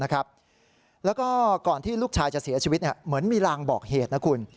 แล้วก็ก่อนที่ลูกชายจะเสียชีวิตเหมือนมีรางบอกเหตุนะคุณ